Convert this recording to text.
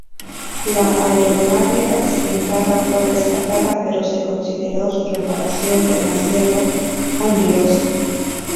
La aeronave accidentada fue rescatada pero se consideró su reparación demasiado onerosa.